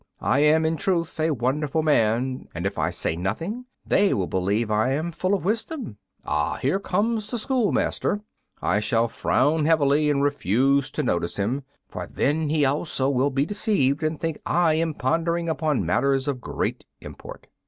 I am, in truth, a wonderful man, and if I say nothing they will believe I am full of wisdom. Ah, here comes the schoolmaster; I shall frown heavily and refuse to notice him, for then he also will be deceived and think I am pondering upon matters of great import."